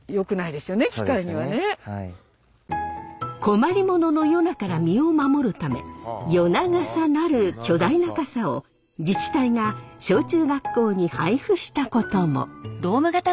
だから困り者のヨナから身を守るためヨナ傘なる巨大な傘を自治体が小中学校に配布したことも。